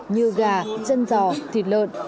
như gà chân giò thịt lợn